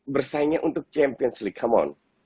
bersaingnya untuk champions league